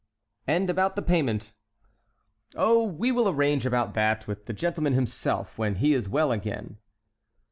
"And about the payment?" "Oh, we will arrange about that with the gentleman himself when he is well again."